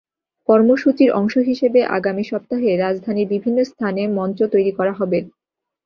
কর্মসূচির অংশ হিসেবে আগামী সপ্তাহে রাজধানীর বিভিন্ন স্থানে মঞ্চ তৈরি করা হবে।